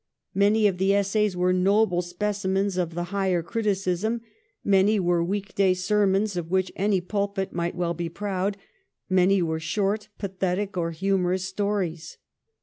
Many of the essays were noble specimens of the higher criticism ; many were week day sermons of which any pulpit might well be proud ; many were short, pathetic, or humorous stories.